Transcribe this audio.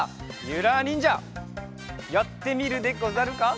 ゆらにんじゃやってみるでござるか？